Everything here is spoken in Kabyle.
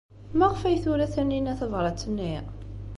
Maɣef ay tura Taninna tabṛat-nni?